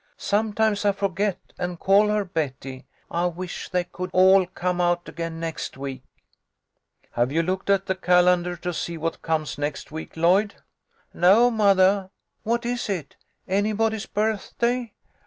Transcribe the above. Sometimes I forget and call her Betty. I wish they could all come out again next week." "_Have you looked at the calendar to see what comes next week, Lloyd?" " No, mothah. What is it ? Anybody's birthday